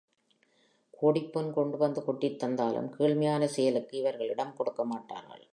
கோடிப் பொன் கொண்டுவந்து கொட்டித் தந்தாலும் கீழ்மையான செயலுக்கு இவர்கள் இடம் கொடுக்க மாட்டார்கள்.